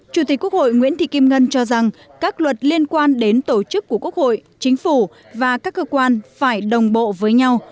chủ tịch quốc hội nguyễn thị kim ngân cho rằng các luật liên quan đến tổ chức của quốc hội chính phủ và các cơ quan phải đồng bộ với nhau